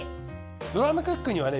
ドラムクックにはね